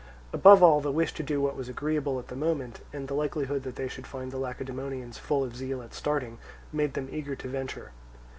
Above all the wish to do what was agreeable at the moment, and the likelihood that they should find the Lacedaemonians full of zeal at starting, made them eager to venture.